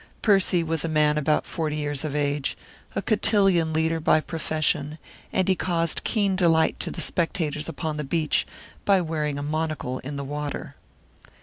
Percy was a man about forty years of age, a cotillion leader by profession; and he caused keen delight to the spectators upon the beach by wearing a monocle in the water.